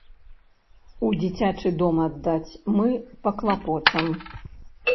У дзіцячы дом аддаць, мы паклапочам.